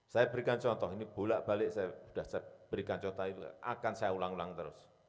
saya berikan contoh ini bolak balik saya sudah berikan contoh itu akan saya ulang ulang terus